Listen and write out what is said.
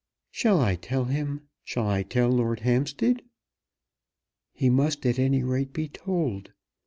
"Shall I tell him; shall I tell Lord Hampstead?" "He must at any rate be told.